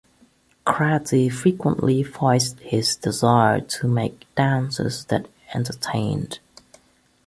Cratty frequently voiced his desire to make dances that entertained.